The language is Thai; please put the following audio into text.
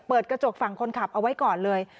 เปิดกระจกฝั่งคนขับเอาไว้ก่อนเลย